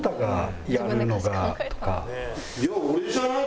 いや俺じゃない？